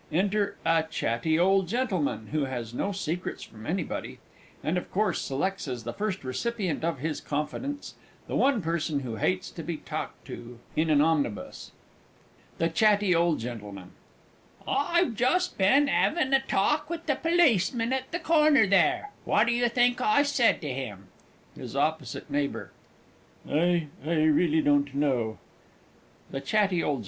Enter a_ CHATTY OLD GENTLEMAN _who has no secrets from anybody, and of course selects as the first recipient of his confidence the one person who hates to be talked to in an omnibus_. THE CHATTY O. G. I've just been having a talk with the policeman at the corner there what do you think I said to him? HIS OPPOSITE NEIGHBOUR. I I really don't know. THE C. O. G.